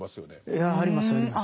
いやありますあります。